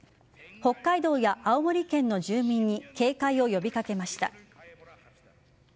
北海道や青森県の住民に警戒を呼び掛けました。